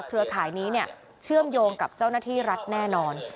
เครือข่ายนี้เชื่อมโยงกับเจ้าหน้าที่รัฐแน่นอน